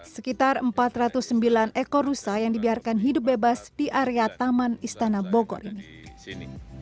sekitar empat ratus sembilan ekor rusa yang dibiarkan hidup bebas di area taman istana bogor ini